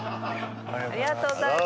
ありがとうございます。